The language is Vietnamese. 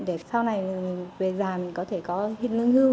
để sau này về già mình có thể có hiện lương hưu